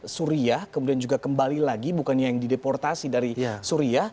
appalachian ke syria kemudian juga kembali lagi bukannya yang dideportasi dari syria